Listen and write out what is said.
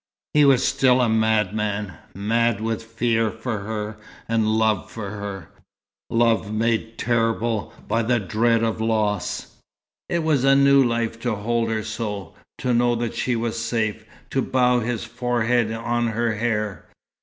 He was still a madman, mad with fear for her, and love for her love made terrible by the dread of loss. It was new life to hold her so, to know that she was safe, to bow his forehead on her hair.